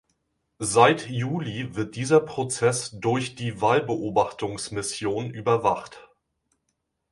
Seit Juli wird dieser Prozess durch die Wahlbeobachtungsmission überwacht.